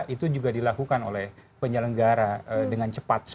itu juga dilakukan oleh penyelenggara dengan cepat